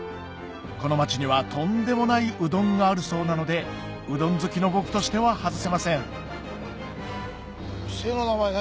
この町にはとんでもないうどんがあるそうなのでうどん好きの僕としては外せません店の名前何？